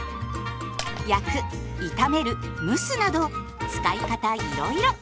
焼く炒める蒸すなど使い方いろいろ。